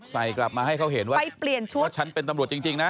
ใส่กลับมาให้เขาเห็นว่าฉันเป็นตำรวจจริงนะ